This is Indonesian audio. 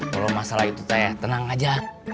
kalau masalah itu kayak tenang aja